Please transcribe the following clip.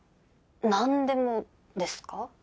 なんでもですか？